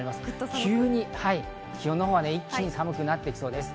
急に気温のほうが一気に寒くなってきそうです。